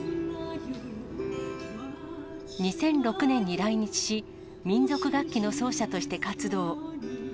２００６年に来日し、民族楽器の奏者として活動。